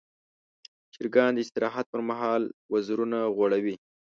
چرګان د استراحت پر مهال وزرونه غوړوي.